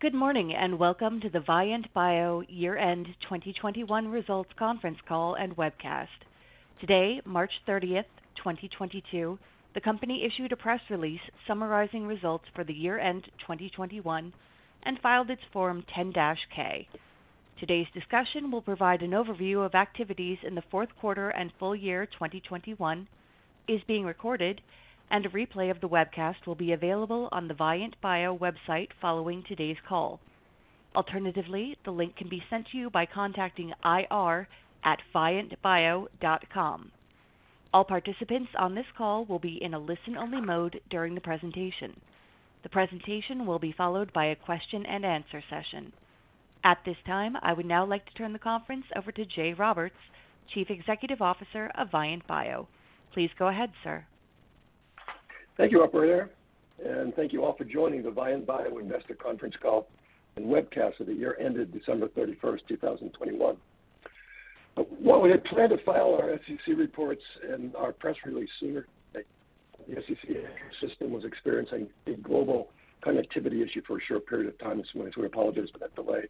Good morning, and welcome to the Vyant Bio year-end 2021 results conference call and webcast. Today, March 30, 2022, the company issued a press release summarizing results for the year-end 2021 and filed its Form 10-K. Today's discussion will provide an overview of activities in the fourth quarter and full year 2021. The call is being recorded, and a replay of the webcast will be available on the Vyant Bio website following today's call. Alternatively, the link can be sent to you by contacting ir@vyantbio.com. All participants on this call will be in a listen-only mode during the presentation. The presentation will be followed by a question-and-answer session. At this time, I would now like to turn the conference over to Jay Roberts, Chief Executive Officer of Vyant Bio. Please go ahead, sir. Thank you, operator, and thank you all for joining the Vyant Bio Investor Conference Call and Webcast of the year ended December 31, 2021. While we had planned to file our SEC reports and our press release sooner, the SEC system was experiencing a global connectivity issue for a short period of time this morning, so we apologize for that delay.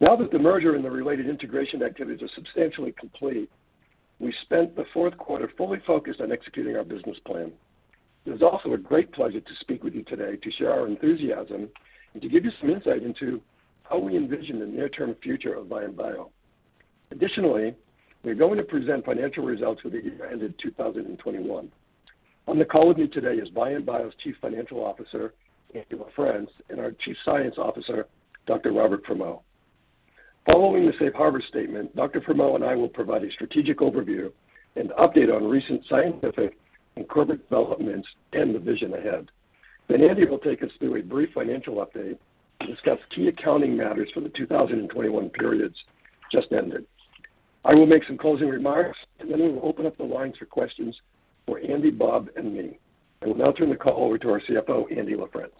Now that the merger and the related integration activities are substantially complete, we spent the fourth quarter fully focused on executing our business plan. It is also a great pleasure to speak with you today to share our enthusiasm and to give you some insight into how we envision the near-term future of Vyant Bio. Additionally, we are going to present financial results for the year ended 2021. On the call with me today is Vyant Bio's Chief Financial Officer, Andy LaFrence, and our Chief Scientific Officer, Dr. Robert Fremeau. Following the safe harbor statement, Dr. Fremeau and I will provide a strategic overview and update on recent scientific and corporate developments and the vision ahead. Andy will take us through a brief financial update and discuss key accounting matters for the 2021 periods just ended. I will make some closing remarks, and then we will open up the lines for questions for Andy, Bob, and me. I will now turn the call over to our CFO, Andy LaFrence.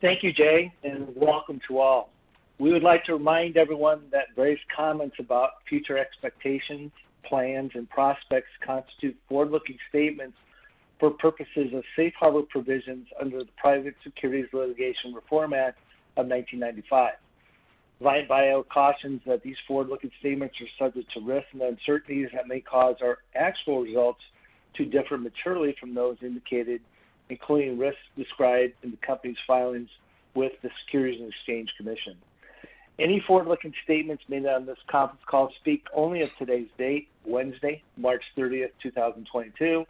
Thank you, Jay, and welcome to all. We would like to remind everyone that today's comments about future expectations, plans, and prospects constitute forward-looking statements for purposes of safe harbor provisions under the Private Securities Litigation Reform Act of 1995. Vyant Bio cautions that these forward-looking statements are subject to risks and uncertainties that may cause our actual results to differ materially from those indicated, including risks described in the company's filings with the Securities and Exchange Commission. Any forward-looking statements made on this conference call speak only as of today's date, Wednesday, March 30, 2022,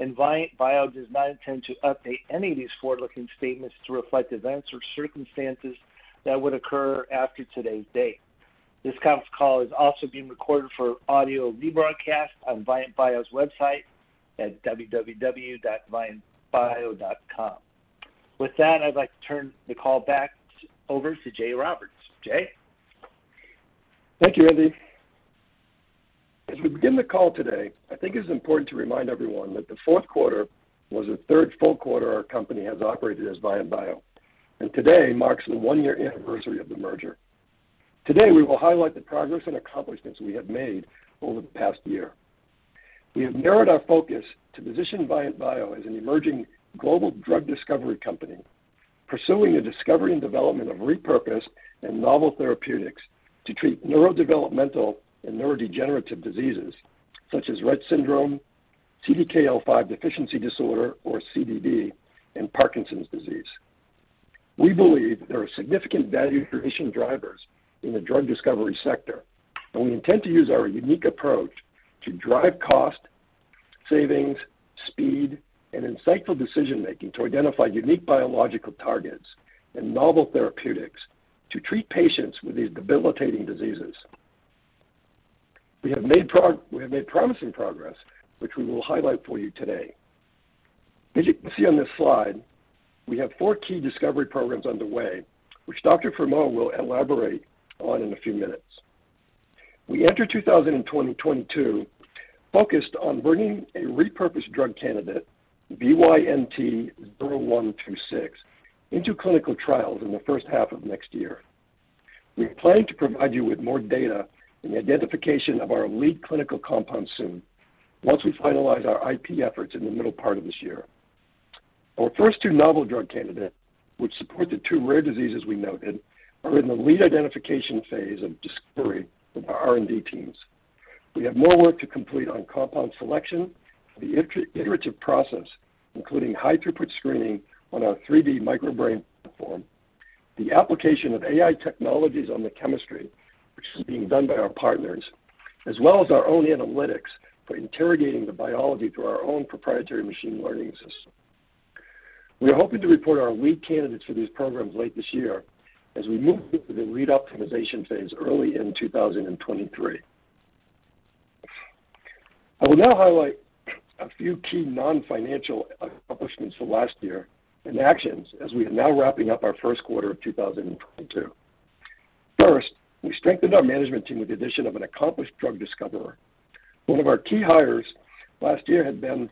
and Vyant Bio does not intend to update any of these forward-looking statements to reflect events or circumstances that would occur after today's date. This conference call is also being recorded for audio rebroadcast on Vyant Bio's website at www.vyantbio.com. With that, I'd like to turn the call back over to Jay Roberts. Jay. Thank you, Andy. As we begin the call today, I think it's important to remind everyone that the fourth quarter was the third full quarter our company has operated as Vyant Bio, and today marks the one-year anniversary of the merger. Today, we will highlight the progress and accomplishments we have made over the past year. We have narrowed our focus to position Vyant Bio as an emerging global drug discovery company, pursuing the discovery and development of repurposed and novel therapeutics to treat neurodevelopmental and neurodegenerative diseases such as Rett syndrome, CDKL5 deficiency disorder or CDD, and Parkinson's disease. We believe there are significant value creation drivers in the drug discovery sector, and we intend to use our unique approach to drive cost savings, speed, and insightful decision-making to identify unique biological targets and novel therapeutics to treat patients with these debilitating diseases. We have made promising progress, which we will highlight for you today. As you can see on this slide, we have four key discovery programs underway, which Dr. Fremeau will elaborate on in a few minutes. We enter 2022 focused on bringing a repurposed drug candidate, VYNT0126, into clinical trials in the H1 of next year. We plan to provide you with more data in the identification of our lead clinical compound soon, once we finalize our IP efforts in the middle part of this year. Our first two novel drug candidates, which support the two rare diseases we noted, are in the lead identification phase of discovery with our R&D teams. We have more work to complete on compound selection for the iterative process, including high-throughput screening on our 3D microBrain platform, the application of AI technologies on the chemistry, which is being done by our partners, as well as our own analytics for interrogating the biology through our own proprietary machine learning system. We are hoping to report our lead candidates for these programs late this year as we move into the lead optimization phase early in 2023. I will now highlight a few key non-financial accomplishments from last year and actions as we are now wrapping up our first quarter of 2022. First, we strengthened our management team with the addition of an accomplished drug discoverer. One of our key hires last year had been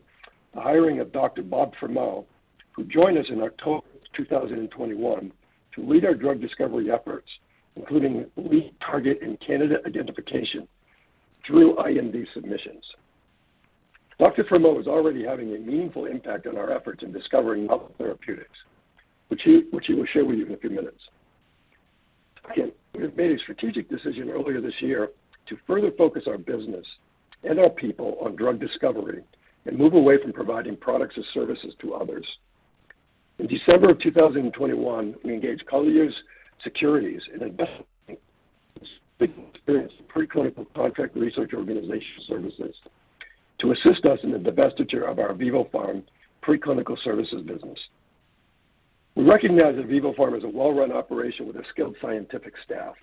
the hiring of Dr. Robert Fremeau, who joined us in October 2021 to lead our drug discovery efforts, including lead target and candidate identification through IND submissions. Dr. Fremeau is already having a meaningful impact on our efforts in discovering novel therapeutics, which he will share with you in a few minutes. We have made a strategic decision earlier this year to further focus our business and our people on drug discovery and move away from providing products and services to others. In December 2021, we engaged Colliers Securities, an investment bank experienced in preclinical contract research organization services, to assist us in the divestiture of our vivoPharm preclinical services business. We recognize that vivoPharm is a well-run operation with a skilled scientific staff.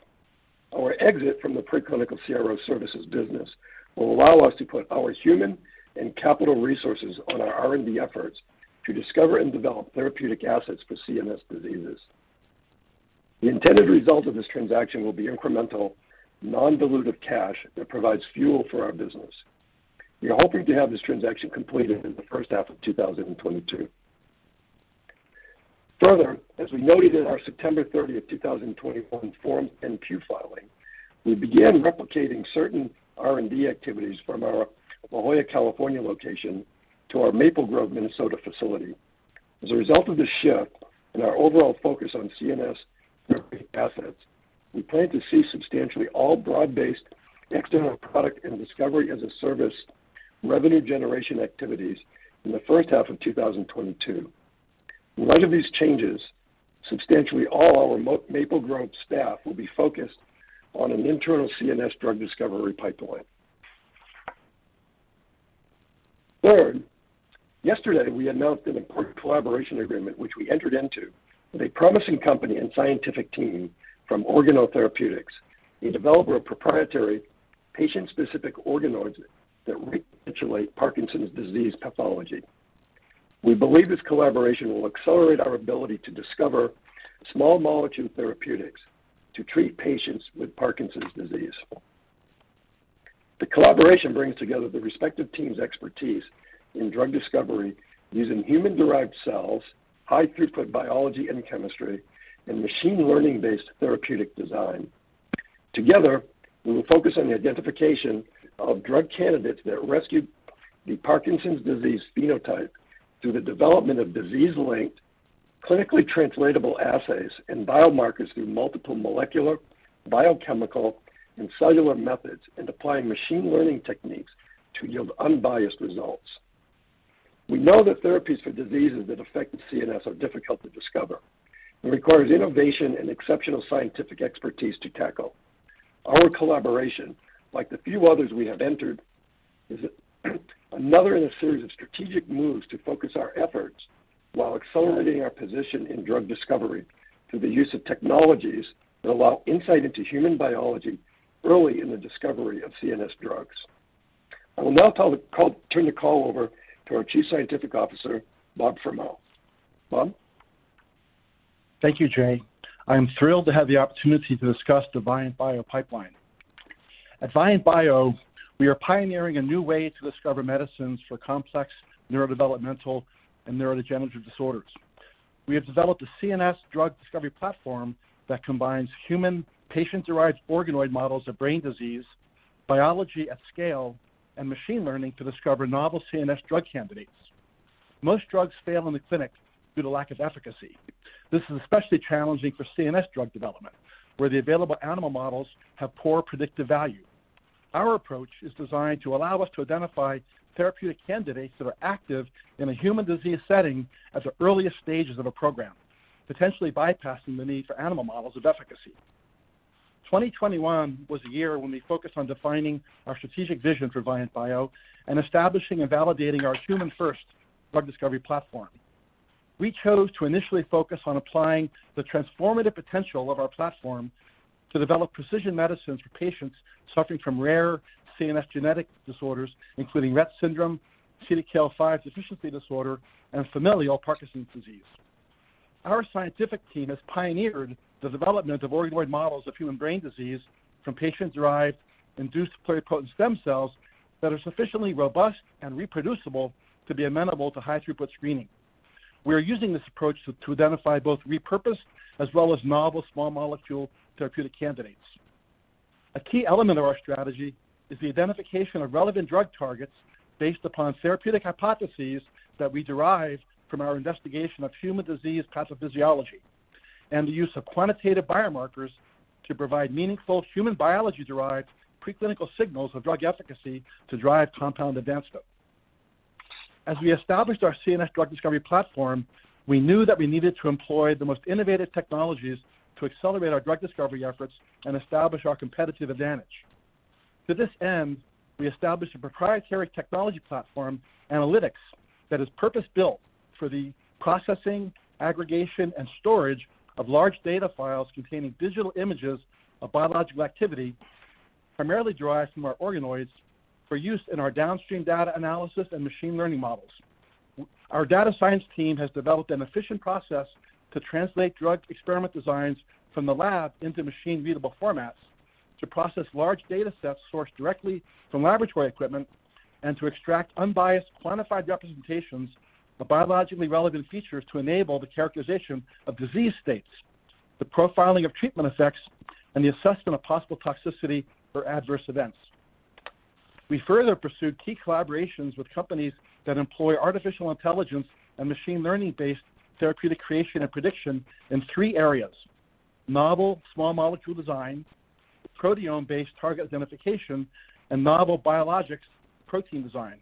Our exit from the preclinical CRO services business will allow us to put our human and capital resources on our R&D efforts to discover and develop therapeutic assets for CNS diseases. The intended result of this transaction will be incremental, non-dilutive cash that provides fuel for our business. We are hoping to have this transaction completed in the H1 of 2022. Further, as we noted in our September 30, 2021 Form 10-Q filing, we began replicating certain R&D activities from our La Jolla, California location to our Maple Grove, Minnesota facility. As a result of this shift and our overall focus on CNS therapy assets, we plan to cease substantially all broad-based external product and discovery-as-a-service revenue generation activities in the H1 of 2022. In light of these changes, substantially all our Maple Grove staff will be focused on an internal CNS drug discovery pipeline. Third, yesterday, we announced an important collaboration agreement which we entered into with a promising company and scientific team from OrganoTherapeutics, a developer of proprietary patient-specific organoids that recapitulate Parkinson's disease pathology. We believe this collaboration will accelerate our ability to discover small molecule therapeutics to treat patients with Parkinson's disease. The collaboration brings together the respective team's expertise in drug discovery using human-derived cells, high throughput biology and chemistry, and machine learning-based therapeutic design. Together, we will focus on the identification of drug candidates that rescue the Parkinson's disease phenotype through the development of disease-linked, clinically translatable assays and biomarkers through multiple molecular, biochemical, and cellular methods and applying machine learning techniques to yield unbiased results. We know that therapies for diseases that affect the CNS are difficult to discover and requires innovation and exceptional scientific expertise to tackle. Our collaboration, like the few others we have entered, is another in a series of strategic moves to focus our efforts while accelerating our position in drug discovery through the use of technologies that allow insight into human biology early in the discovery of CNS drugs. I will now turn the call over to our Chief Scientific Officer, Bob Fremeau. Bob? Thank you, Jay. I'm thrilled to have the opportunity to discuss the Vyant Bio pipeline. At Vyant Bio, we are pioneering a new way to discover medicines for complex neurodevelopmental and neurodegenerative disorders. We have developed a CNS drug discovery platform that combines human patient-derived organoid models of brain disease, biology at scale, and machine learning to discover novel CNS drug candidates. Most drugs fail in the clinic due to lack of efficacy. This is especially challenging for CNS drug development, where the available animal models have poor predictive value. Our approach is designed to allow us to identify therapeutic candidates that are active in a human disease setting at the earliest stages of a program, potentially bypassing the need for animal models of efficacy. 2021 was a year when we focused on defining our strategic vision for Vyant Bio and establishing and validating our human first drug discovery platform. We chose to initially focus on applying the transformative potential of our platform to develop precision medicines for patients suffering from rare CNS genetic disorders, including Rett syndrome, CDKL5 deficiency disorder, and familial Parkinson's disease. Our scientific team has pioneered the development of organoid models of human brain disease from patient-derived induced pluripotent stem cells that are sufficiently robust and reproducible to be amenable to high-throughput screening. We are using this approach to identify both repurposed as well as novel small molecule therapeutic candidates. A key element of our strategy is the identification of relevant drug targets based upon therapeutic hypotheses that we derive from our investigation of human disease pathophysiology and the use of quantitative biomarkers to provide meaningful human biology-derived preclinical signals of drug efficacy to drive compound advancement. As we established our CNS drug discovery platform, we knew that we needed to employ the most innovative technologies to accelerate our drug discovery efforts and establish our competitive advantage. To this end, we established a proprietary technology platform analytics that is purpose-built for the processing, aggregation, and storage of large data files containing digital images of biological activity, primarily derived from our organoids for use in our downstream data analysis and machine learning models. Our data science team has developed an efficient process to translate drug experiment designs from the lab into machine-readable formats to process large data sets sourced directly from laboratory equipment and to extract unbiased, quantified representations of biologically relevant features to enable the characterization of disease states, the profiling of treatment effects, and the assessment of possible toxicity or adverse events. We further pursued key collaborations with companies that employ artificial intelligence and machine learning-based therapeutic creation and prediction in three areas, novel small molecule design, proteome-based target identification, and novel biologics protein design.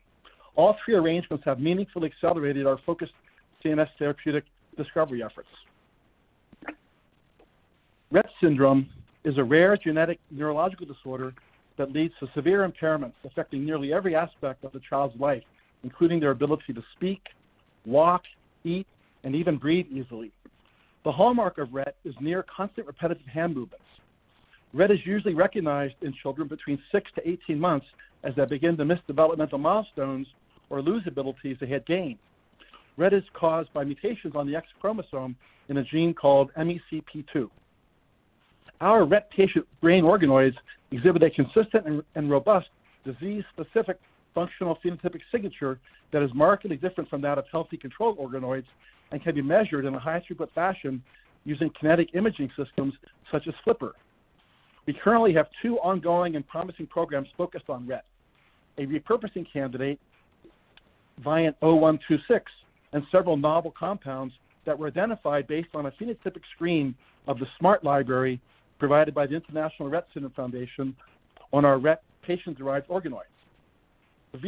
All three arrangements have meaningfully accelerated our focused CNS therapeutic discovery efforts. Rett syndrome is a rare genetic neurological disorder that leads to severe impairments affecting nearly every aspect of the child's life, including their ability to speak, walk, eat, and even breathe easily. The hallmark of Rett is near-constant repetitive hand movements. Rett is usually recognized in children between 6-18 months as they begin to miss developmental milestones or lose abilities they had gained. Rett is caused by mutations on the X chromosome in a gene called MECP2. Our Rett patient brain organoids exhibit a consistent and robust disease-specific functional phenotypic signature that is markedly different from that of healthy control organoids and can be measured in a high-throughput fashion using kinetic imaging systems such as FLIPR. We currently have two ongoing and promising programs focused on Rett. A repurposing candidate, VYNT-0126, and several novel compounds that were identified based on a phenotypic screen of the SMART library provided by the International Rett Syndrome Foundation on our Rett patient-derived organoids. The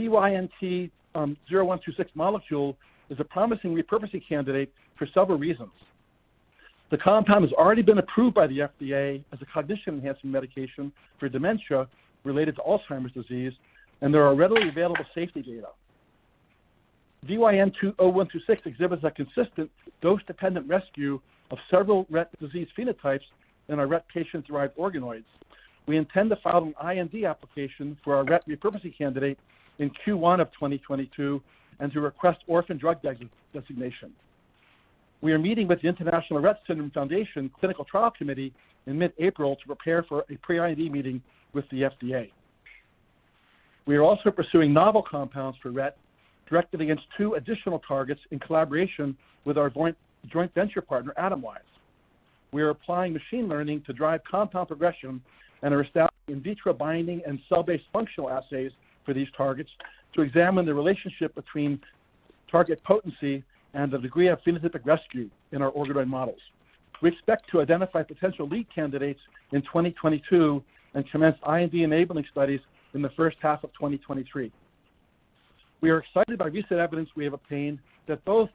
VYNT-0126 molecule is a promising repurposing candidate for several reasons. The compound has already been approved by the FDA as a cognition-enhancing medication for dementia related to Alzheimer's disease, and there are readily available safety data. VYNT-0126 exhibits a consistent dose-dependent rescue of several Rett syndrome phenotypes in our Rett patient-derived organoids. We intend to file an IND application for our Rett repurposing candidate in Q1 of 2022 and to request orphan drug designation. We are meeting with the International Rett Syndrome Foundation Clinical Trial Committee in mid-April to prepare for a pre-IND meeting with the FDA. We are also pursuing novel compounds for Rett directed against two additional targets in collaboration with our joint venture partner, Atomwise. We are applying machine learning to drive compound progression and are establishing in vitro binding and cell-based functional assays for these targets to examine the relationship between target potency and the degree of phenotypic rescue in our organoid models. We expect to identify potential lead candidates in 2022 and commence IND-enabling studies in the H1 of 2023. We are excited by recent evidence we have obtained that both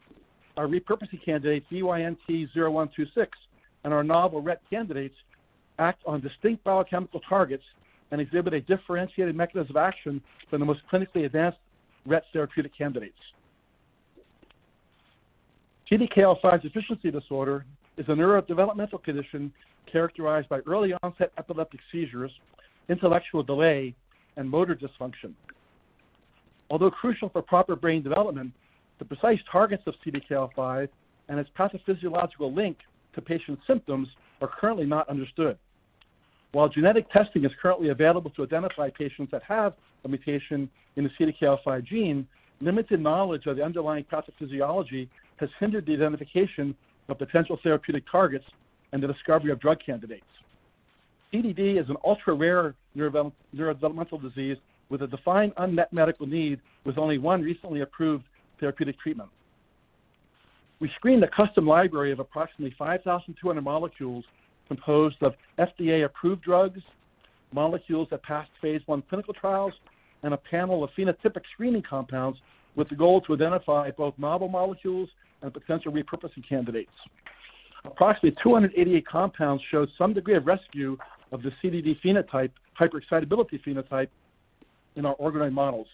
our repurposing candidate, VYNT-0126, and our novel Rett candidates act on distinct biochemical targets and exhibit a differentiated mechanism of action from the most clinically advanced Rett therapeutic candidates. CDKL5 deficiency disorder is a neurodevelopmental condition characterized by early-onset epileptic seizures, intellectual delay, and motor dysfunction. Although crucial for proper brain development, the precise targets of CDKL5 and its pathophysiological link to patient symptoms are currently not understood. While genetic testing is currently available to identify patients that have a mutation in the CDKL5 gene, limited knowledge of the underlying pathophysiology has hindered the identification of potential therapeutic targets and the discovery of drug candidates. CDD is an ultra-rare neurodevelopmental disease with a defined unmet medical need, with only one recently approved therapeutic treatment. We screened a custom library of approximately 5,200 molecules composed of FDA-approved drugs, molecules that passed phase I clinical trials, and a panel of phenotypic screening compounds with the goal to identify both novel molecules and potential repurposing candidates. Approximately 288 compounds showed some degree of rescue of the CDD phenotype, hyperexcitability phenotype, in our organoid models.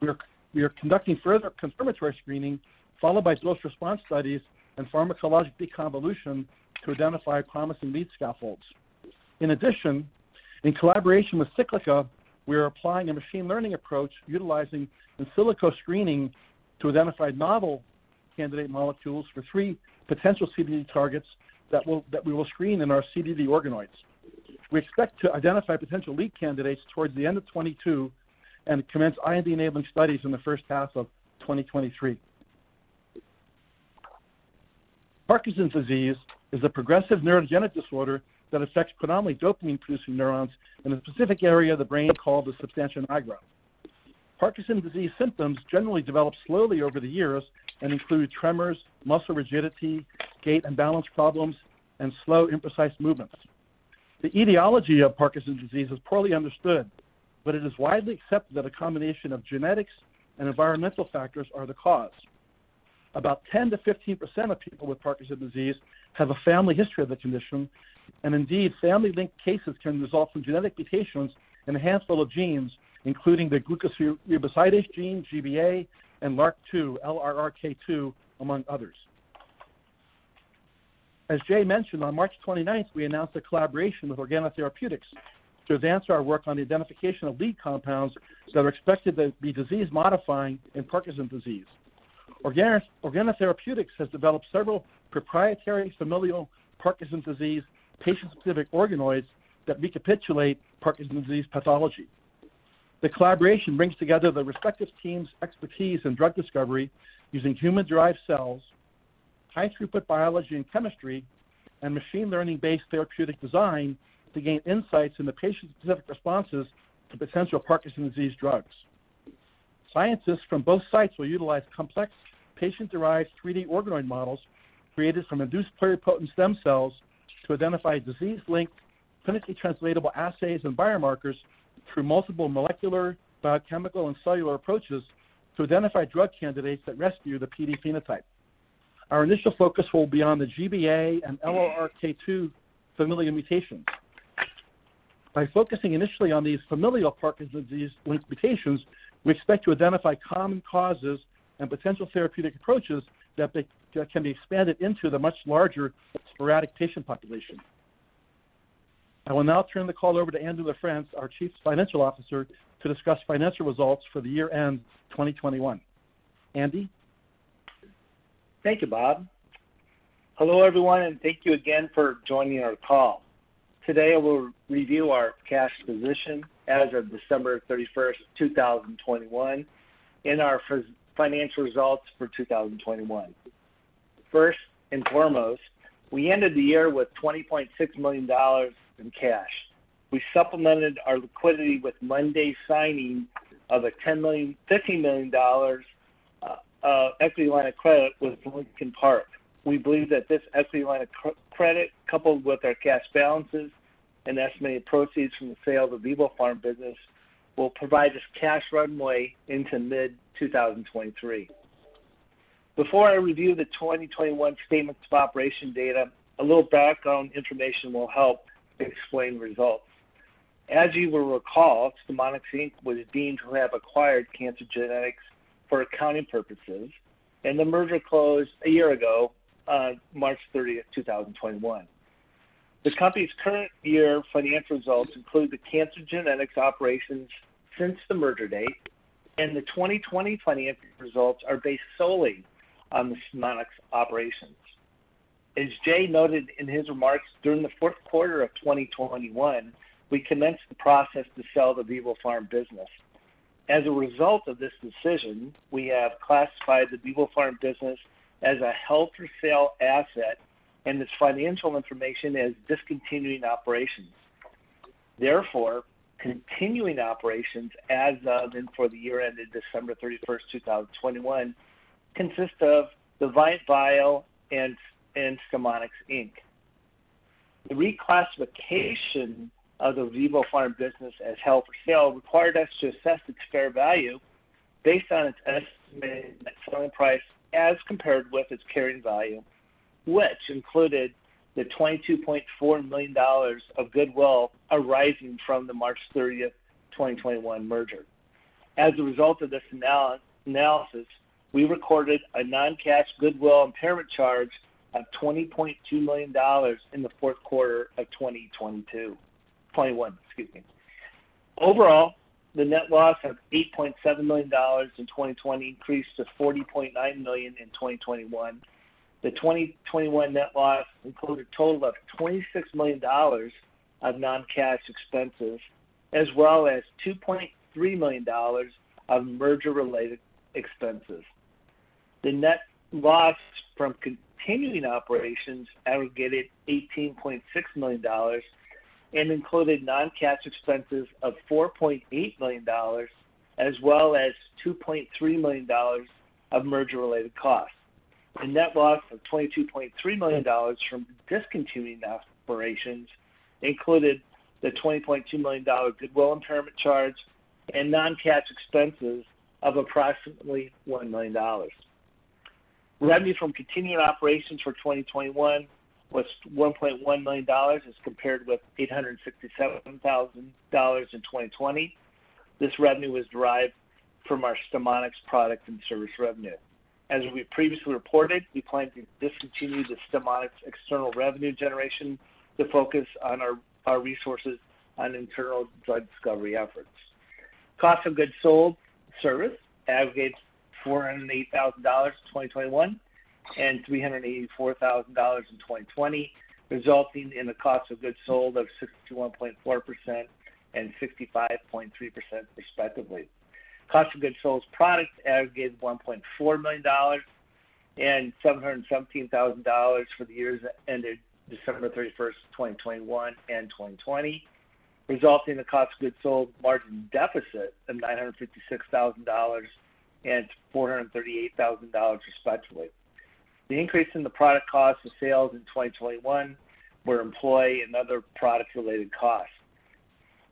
We are conducting further confirmatory screening, followed by dose response studies and pharmacologic deconvolution to identify promising lead scaffolds. In addition, in collaboration with Cyclica, we are applying a machine learning approach utilizing in silico screening to identify novel candidate molecules for three potential CDD targets that we will screen in our CDD organoids. We expect to identify potential lead candidates towards the end of 2022 and commence IND-enabling studies in the H1 of 2023. Parkinson's disease is a progressive neurodegenerative disorder that affects predominantly dopamine-producing neurons in a specific area of the brain called the substantia nigra. Parkinson's disease symptoms generally develop slowly over the years and include tremors, muscle rigidity, gait and balance problems, and slow, imprecise movements. The etiology of Parkinson's disease is poorly understood, but it is widely accepted that a combination of genetics and environmental factors are the cause. About 10%-15% of people with Parkinson's disease have a family history of the condition, and indeed, family-linked cases can result from genetic mutations in a handful of genes, including the glucocerebrosidase gene, GBA, and LRRK2, among others. As Jay mentioned, on March 29, we announced a collaboration with OrganoTherapeutics to advance our work on the identification of lead compounds that are expected to be disease-modifying in Parkinson's disease. OrganoTherapeutics has developed several proprietary familial Parkinson's disease patient-specific organoids that recapitulate Parkinson's disease pathology. The collaboration brings together the respective team's expertise in drug discovery using human-derived cells, high-throughput biology and chemistry, and machine learning-based therapeutic design to gain insights into patient-specific responses to potential Parkinson's disease drugs. Scientists from both sites will utilize complex patient-derived 3D organoid models created from induced pluripotent stem cells to identify disease-linked, clinically translatable assays and biomarkers through multiple molecular, biochemical, and cellular approaches to identify drug candidates that rescue the PD phenotype. Our initial focus will be on the GBA and LRRK2 familial mutations. By focusing initially on these familial Parkinson's disease linked mutations, we expect to identify common causes and potential therapeutic approaches that can be expanded into the much larger sporadic patient population. I will now turn the call over to Andy LaFrence, our Chief Financial Officer, to discuss financial results for the year-end 2021. Andy? Thank you, Bob. Hello, everyone, and thank you again for joining our call. Today, we'll review our cash position as of December 31, 2021, and our financial results for 2021. First and foremost, we ended the year with $20.6 million in cash. We supplemented our liquidity with Monday's signing of a $15 million equity line of credit with Lincoln Park. We believe that this equity line of credit, coupled with our cash balances and estimated proceeds from the sale of the VivoPharm business, will provide us cash runway into mid-2023. Before I review the 2021 statements of operations data, a little background information will help explain results. As you will recall, StemoniX Inc. was deemed to have acquired Cancer Genetics for accounting purposes, and the merger closed a year ago, on March 30, 2021. This company's current year financial results include the Cancer Genetics operations since the merger date, and the 2020 financial results are based solely on the StemoniX operations. As Jay noted in his remarks, during the Q4 of 2021, we commenced the process to sell the vivoPharm business. As a result of this decision, we have classified the vivoPharm business as a held-for-sale asset and its financial information as discontinued operations. Therefore, continuing operations as of and for the year ended December 31, 2021, consist of the Vyant Bio and StemoniX Inc. The reclassification of the vivoPharm business as held-for-sale required us to assess its fair value based on its estimated net selling price as compared with its carrying value, which included the $22.4 million of goodwill arising from the March 30, 2021 merger. As a result of this analysis, we recorded a non-cash goodwill impairment charge of $20.2 million in the Q4 of 2021. Overall, the net loss of $8.7 million in 2020 increased to $40.9 million in 2021. The 2021 net loss included a total of $26 million of non-cash expenses as well as $2.3 million of merger-related expenses. The net loss from continuing operations aggregated $18.6 million and included non-cash expenses of $4.8 million as well as $2.3 million of merger-related costs. The net loss of $22.3 million from discontinuing operations included the $20.2 million goodwill impairment charge and non-cash expenses of approximately $1 million. Revenue from continuing operations for 2021 was $1.1 million as compared with $867,000 in 2020. This revenue was derived from our StemoniX product and service revenue. We previously reported, we plan to discontinue the StemoniX external revenue generation to focus on our resources on internal drug discovery efforts. Cost of goods sold service aggregated $408,000 in 2021 and $384,000 in 2020, resulting in a cost of goods sold of 61.4% and 65.3% respectively. Cost of goods sold product aggregated $1.4 million and $717,000 for the years that ended December 31, 2021 and 2020, resulting in a cost of goods sold margin deficit of $956,000 and $438,000, respectively. The increase in the product cost of sales in 2021 was employee and other product-related costs.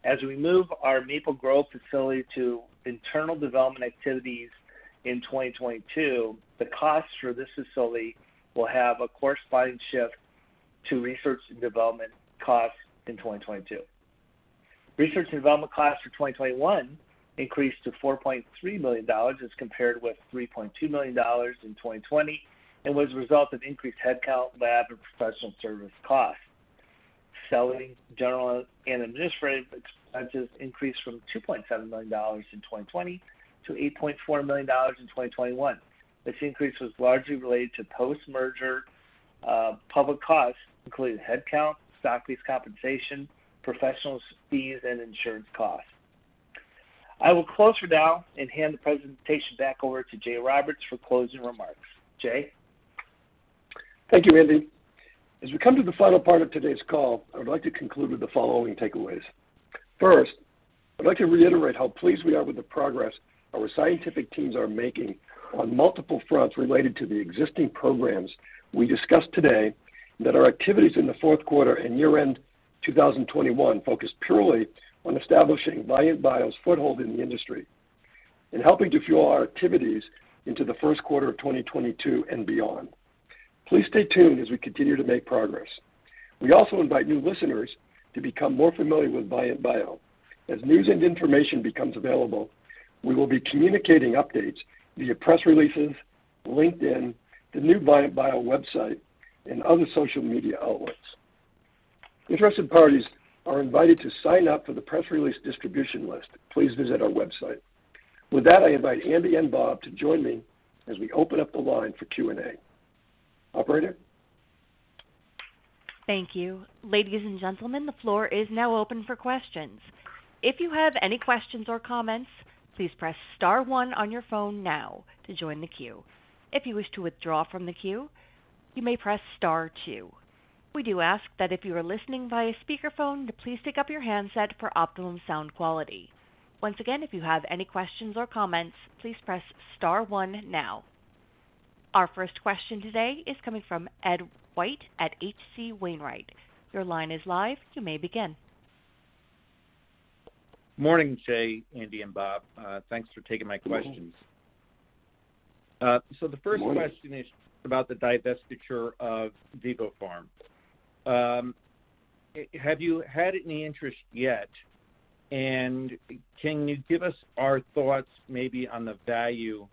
As we move our Maple Grove facility to internal development activities in 2022, the costs for this facility will have a corresponding shift to research and development costs in 2022. Research and development costs for 2021 increased to $4.3 million as compared with $3.2 million in 2020 and was a result of increased headcount, lab, and professional service costs. Selling, general, and administrative expenses increased from $2.7 million in 2020 to $8.4 million in 2021. This increase was largely related to post-merger public costs, including headcount, stock-based compensation, professional fees, and insurance costs. I will close for now and hand the presentation back over to Jay Roberts for closing remarks. Jay? Thank you, Andy. As we come to the final part of today's call, I would like to conclude with the following takeaways. First, I'd like to reiterate how pleased we are with the progress our scientific teams are making on multiple fronts related to the existing programs we discussed today, and that our activities in the Q4 and year-end 2021 focus purely on establishing Vyant Bio's foothold in the industry and helping to fuel our activities into the Q1 of 2022 and beyond. Please stay tuned as we continue to make progress. We also invite new listeners to become more familiar with Vyant Bio. As news and information becomes available, we will be communicating updates via press releases, LinkedIn, the new Vyant Bio website, and other social media outlets. Interested parties are invited to sign up for the press release distribution list. Please visit our website. With that, I invite Andy and Bob to join me as we open up the line for Q&A. Operator? Thank you. Ladies and gentlemen, the floor is now open for questions. If you have any questions or comments, please press star one on your phone now to join the queue. If you wish to withdraw from the queue, you may press star two. We do ask that if you are listening via speakerphone to please pick up your handset for optimum sound quality. Once again, if you have any questions or comments, please press star one now. Our first question today is coming from Ed White at H.C. Wainwright. Your line is live. You may begin. Morning, Jay, Andy and Bob. Thanks for taking my questions. Morning. The first question is about the divestiture of vivoPharm. Have you had any interest yet? Can you give us your thoughts maybe on the value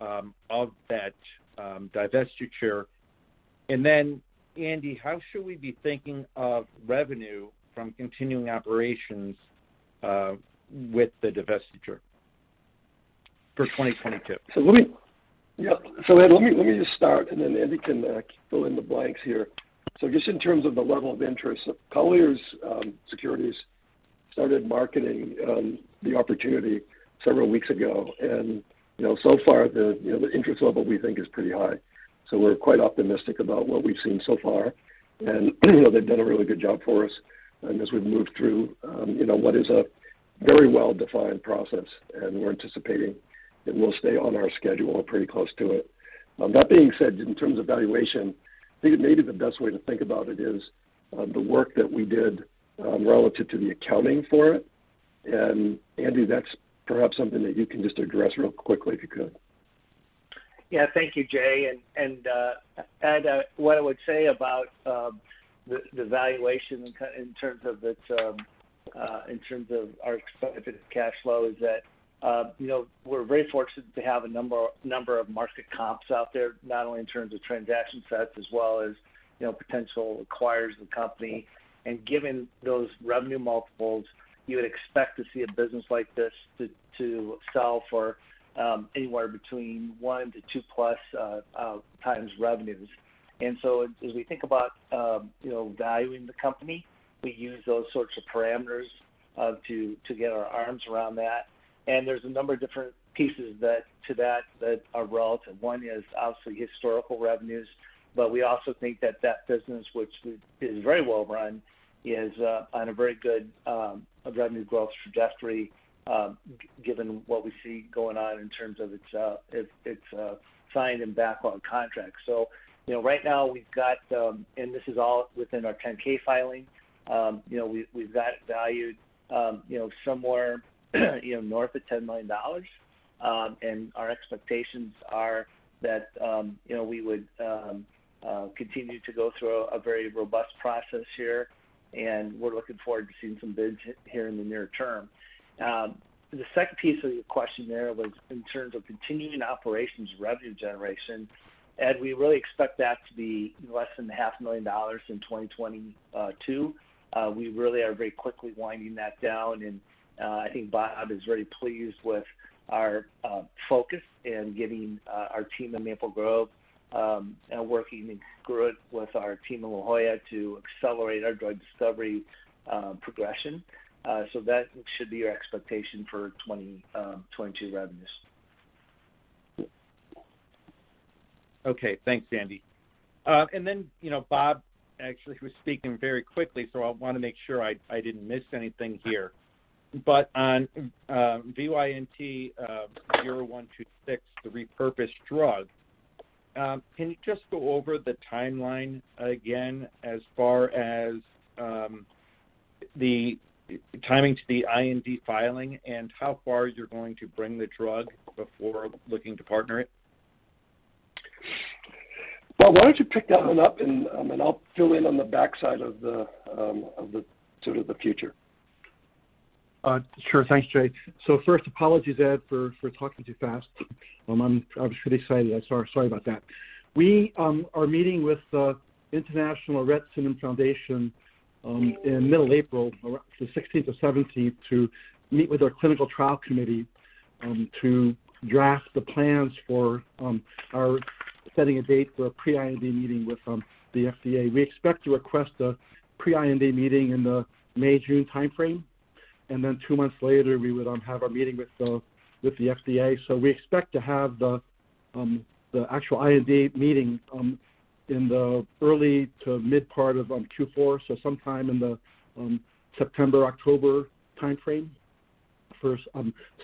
of that divestiture? Then Andy, how should we be thinking of revenue from continuing operations with the divestiture for 2022? Ed, let me just start and then Andy can fill in the blanks here. Just in terms of the level of interest, Colliers Securities started marketing the opportunity several weeks ago. You know, so far the interest level we think is pretty high. We're quite optimistic about what we've seen so far. You know, they've done a really good job for us and as we've moved through what is a very well-defined process, and we're anticipating that we'll stay on our schedule or pretty close to it. That being said, in terms of valuation, I think maybe the best way to think about it is the work that we did relative to the accounting for it. Andy, that's perhaps something that you can just address real quickly if you could. Yeah. Thank you, Jay. Ed, what I would say about the valuation in terms of our expected cash flow is that, you know, we're very fortunate to have a number of market comps out there, not only in terms of transaction sets as well as, you know, potential acquirers of the company. Given those revenue multiples, you would expect to see a business like this to sell for anywhere between +1-2 times revenues. As we think about, you know, valuing the company, we use those sorts of parameters to get our arms around that. There's a number of different pieces to that that are relative. One is obviously historical revenues, but we also think that that business, which is very well run, is on a very good revenue growth trajectory, given what we see going on in terms of its signed and backlog contracts. You know, right now we've got, and this is all within our 10-K filing, you know, we've got it valued, you know, somewhere, you know, north of $10 million. Our expectations are that, you know, we would continue to go through a very robust process here, and we're looking forward to seeing some bids here in the near term. The second piece of your question there was in terms of continuing operations revenue generation. Ed, we really expect that to be less than $0.5 million in 2022. We really are very quickly winding that down, and I think Bob is very pleased with our focus in getting our team at Maple Grove working in concert with our team in La Jolla to accelerate our drug discovery progression. That should be your expectation for 2022 revenues. Okay. Thanks, Andy. Then Bob actually was speaking very quickly, so I wanna make sure I didn't miss anything here. On VYNT-0126, the repurposed drug, can you just go over the timeline again as far as the timing to the IND filing and how far you're going to bring the drug before looking to partner it? Bob, why don't you pick that one up and I'll fill in on the backside of the sort of the future. Sure. Thanks, Jay. First, apologies, Ed, for talking too fast. I was pretty excited. Sorry about that. We are meeting with the International Rett Syndrome Foundation in middle April, around the 16th or 17th, to meet with our clinical trial committee to draft the plans for setting a date for a pre-IND meeting with the FDA. We expect to request a pre-IND meeting in the May-June timeframe, and then two months later, we would have our meeting with the FDA. We expect to have the actual IND meeting in the early to mid part of Q4, so sometime in the September-October timeframe for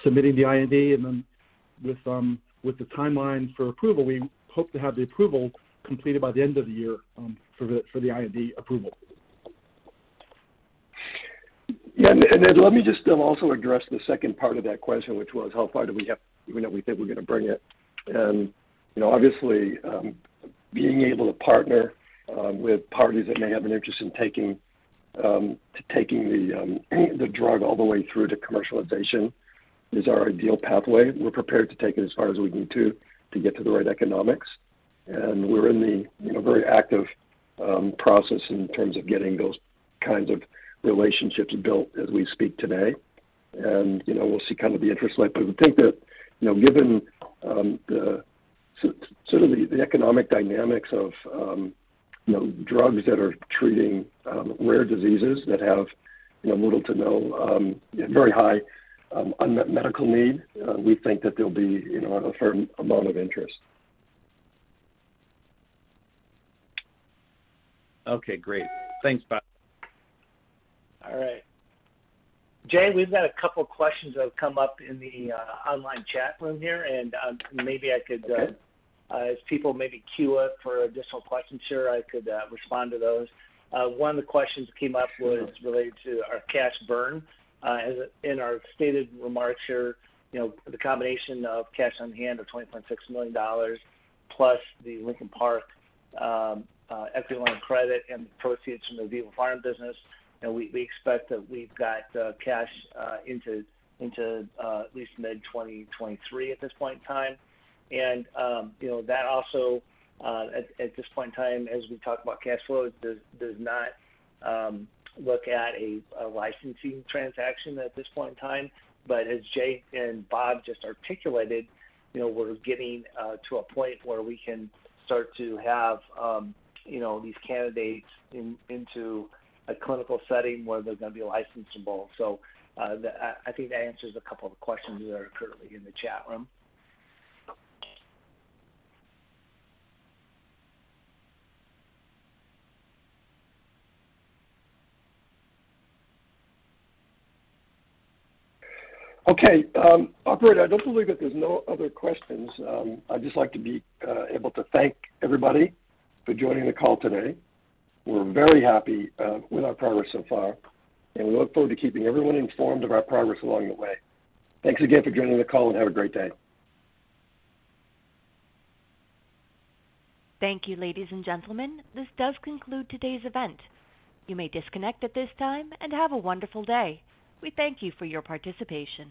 submitting the IND. With the timeline for approval, we hope to have the approval completed by the end of the year for the IND approval. Yeah. Then let me just also address the second part of that question, which was how far we think we're gonna bring it. You know, obviously, being able to partner with parties that may have an interest in taking the drug all the way through to commercialization is our ideal pathway. We're prepared to take it as far as we need to get to the right economics. We're in the, you know, very active process in terms of getting those kinds of relationships built as we speak today. You know, we'll see kind of the interest like. We think that, you know, given the sort of economic dynamics of, you know, drugs that are treating rare diseases that have, you know, little to no, very high unmet medical need, we think that there'll be, you know, a fair amount of interest. Okay, great. Thanks, Bob. All right. Jay, we've got a couple questions that have come up in the online chat room here, and maybe I could Okay. As people maybe queue up for additional questions here, I could respond to those. One of the questions that came up was related to our cash burn. As in our stated remarks here, you know, the combination of cash on hand of $20.6 million plus the Lincoln Park Capital equity line of credit and the proceeds from the vivoPharm business, you know, we expect that we've got cash into at least mid-2023 at this point in time. You know, that also, at this point in time, as we talk about cash flow, does not look at a licensing transaction at this point in time. As Jay and Bob just articulated, you know, we're getting to a point where we can start to have, you know, these candidates into a clinical setting where they're gonna be licensable. I think that answers a couple of questions that are currently in the chat room. Okay. Operator, I don't believe that there's no other questions. I'd just like to be able to thank everybody for joining the call today. We're very happy with our progress so far, and we look forward to keeping everyone informed of our progress along the way. Thanks again for joining the call, and have a great day. Thank you, ladies and gentlemen. This does conclude today's event. You may disconnect at this time, and have a wonderful day. We thank you for your participation.